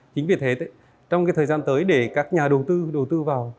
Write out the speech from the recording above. chính vì thế trong thời gian tới để các nhà đầu tư vào việt nam